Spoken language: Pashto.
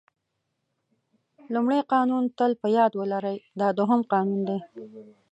لومړی قانون تل په یاد ولرئ دا دوهم قانون دی.